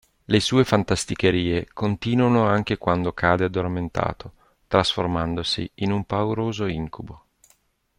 Le sue fantasticherie continuano anche quando cade addormentato, trasformandosi in un pauroso incubo.